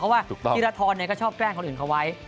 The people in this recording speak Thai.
เพราะว่าธีรทรก็ชอบแกล้งคนอื่นเขาไว้